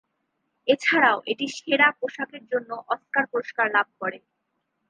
এছাড়াও এটি সেরা পোশাকের জন্য অস্কার পুরস্কার লাভ করে।